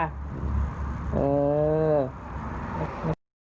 เออ